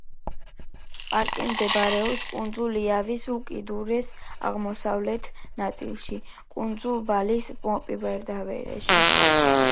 პარკი მდებარეობს კუნძულ იავის უკიდურეს აღმოსავლეთ ნაწილში, კუნძულ ბალის მოპირდაპირედ.